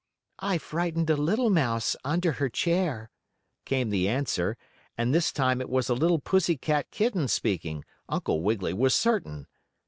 "I frightened a little mouse, under her chair," came the answer, and this time it was a little pussy cat kitten speaking, Uncle Wiggily was certain.